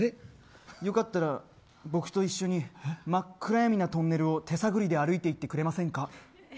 良かったら、僕と一緒に真っ暗闇なトンネルを手探りで歩いて行ってくれませんか？